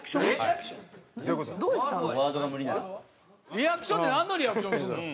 リアクションってなんのリアクションするの？